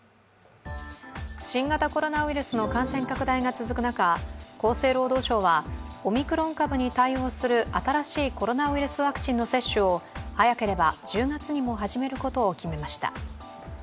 新型コロナウイルスの感染拡大が続く中、厚生労働省は、オミクロン株に対応する新しいコロナワクチンの接種を早ければ１０月にも始めることを決めました。